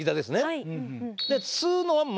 はい。